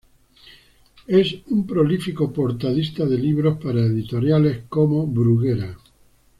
Es un prolífico portadista de libros para editoriales como Bruguera.